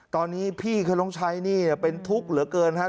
ตอนนี้พี่คือน้องชัยนี่เป็นทุกข์เหลือเกินครับ